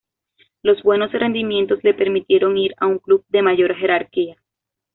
Los buenos rendimientos, le permitieron ir a un club de mayor jerarquía.